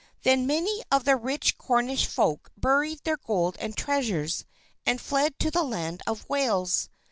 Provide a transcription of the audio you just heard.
Then many of the rich Cornish folk buried their gold and treasures, and fled to the land of Wales.